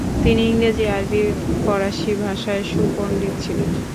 তিনি ইংরেজি, আরবি, ফরাসি ভাষায় সুপন্ডিত ছিলেন।